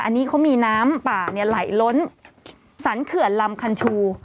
อันนี้เขามีน้ำป่าเนี่ยไหลล้นสรรเขื่อนลำคันชู